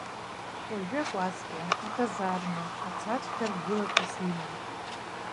Уажәы акәасқьа, аказарма, ацаҵәҟьа ргылатәыс имам.